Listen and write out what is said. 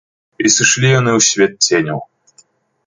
І сышлі яны ў свет ценяў.